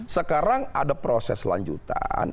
sekarang ada proses lanjutan